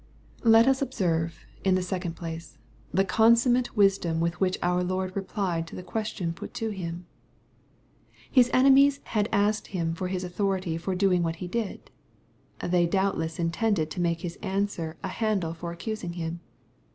Let us observe, in the second place, the consummate wisdom with which our Lord replied to the question put to Him, His enemies had asked Him for His authority for doing what He did. They doubtless intended to make His answer a handle for accusing Him.